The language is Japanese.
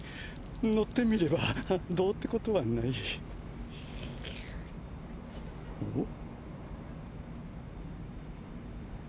乗ってみればどうってことはない。えっ？